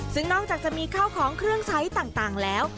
ซึ่งนอกจากจะมีข้าวของเครื่องใช้ต่างแล้ว